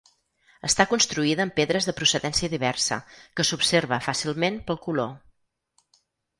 Està construïda amb pedres de procedència diversa, que s'observa fàcilment pel color.